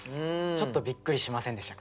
ちょっとびっくりしませんでしたか？